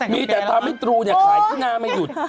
มีแต่ทำให้ตรูคลายที่หน้าไม่หยุด